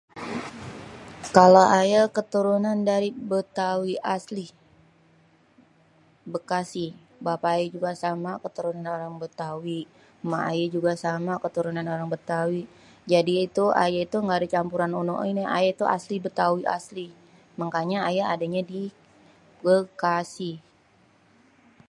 Kalo aye keturunan dari Bétawi asli bapa ayé juga sama ema keturunan orang Bétawi. Ema ayé juga sama keturunan orang Bétawi jadi itu ayé itu engga ade campuran onoh, ini, ayé itu Bétawi asli mangkanye ayé adé di Bekasi.